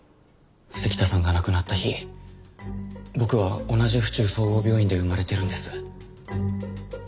関田さんが亡くなった日僕は同じ府中総合病院で生まれてるんです。